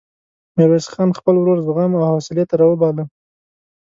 ميرويس خان خپل ورور زغم او حوصلې ته راوباله.